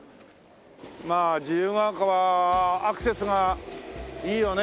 まあ自由が丘はアクセスがいいよね。